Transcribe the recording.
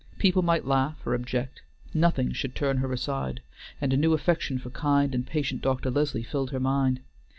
People might laugh or object. Nothing should turn her aside, and a new affection for kind and patient Dr. Leslie filled her mind.